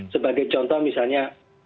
sebagai contoh misalnya